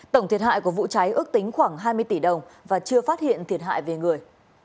tổng thiệt hại của vụ cháy ước tính khoảng hai mươi tỷ đồng và chưa phát hiện thiệt hại về người